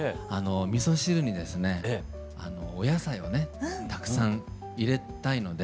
みそ汁にですねお野菜をねたくさん入れたいので。